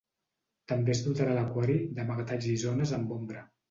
També es dotarà l'aquari d'amagatalls i zones amb ombra.